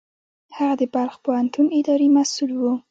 هغه د بلخ پوهنتون اداري مسوول و.